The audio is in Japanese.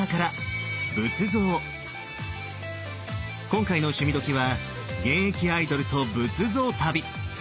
今回の「趣味どきっ！」は現役アイドルと仏像旅。